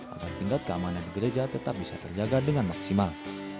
agar tingkat keamanan di gereja tetap bisa terjaga dengan maksimal